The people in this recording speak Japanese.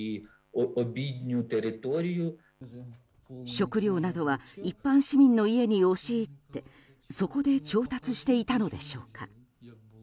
食料などは一般市民の家に押し入ってそこで調達していたのでしょうか。